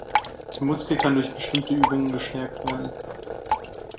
Der Muskel kann durch bestimmte Übungen gestärkt werden.